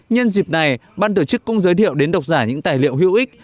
nhân dịp này ban tổ chức cũng giới thiệu đến độc giả những tài liệu hữu ích